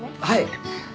はい。